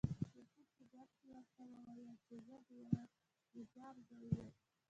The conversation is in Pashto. یعقوب په جواب کې ورته وویل چې زه د یوه نجار زوی یم.